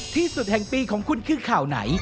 ที่สุดแห่งปีของคุณคือข่าวไหน